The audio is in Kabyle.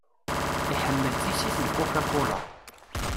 Iḥemmel tissit n Coca-Cola.